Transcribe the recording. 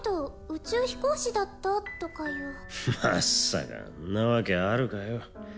宇宙飛行士だったとかいうまさかんなわけあるかよ